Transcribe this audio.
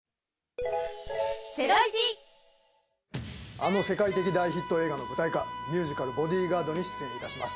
あの世界的大ヒット映画の舞台化、ミュージカル『ボディガード』に出演いたします。